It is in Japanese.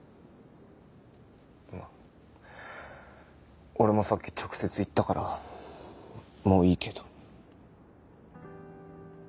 まあ俺もさっき直接言ったからもういいけど。